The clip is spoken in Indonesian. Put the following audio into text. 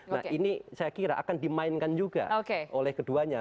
nah ini saya kira akan dimainkan juga oleh keduanya